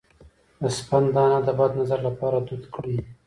د سپند دانه د بد نظر لپاره دود کړئ